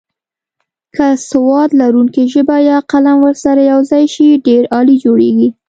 که سواد لرونکې ژبه یا قلم ورسره یوځای شي ډېر عالي جوړیږي.